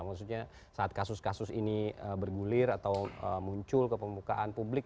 maksudnya saat kasus kasus ini bergulir atau muncul ke pembukaan publik